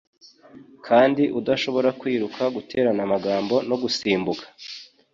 kandi udashobora kwiruka guterana amagambo no gusimbuka